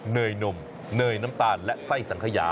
เนยนมเนยน้ำตาลและไส้สังขยา